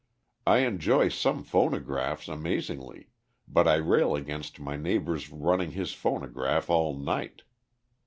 I enjoy some phonographs amazingly, but I rail against my neighbor's running his phonograph all night.